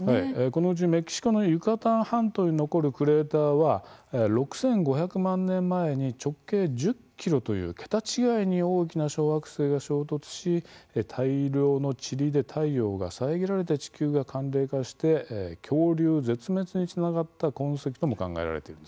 このうちメキシコのユカタン半島に残るクレーターは６５００万年前に直径１０キロという桁違いに大きな小惑星が衝突し大量のちりで太陽が遮られて地球が寒冷化して恐竜絶滅につながった痕跡とも考えられているんですね。